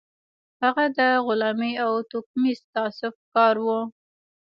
هغه د غلامۍ او توکميز تعصب ښکار و